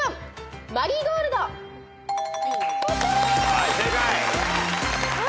はい正解。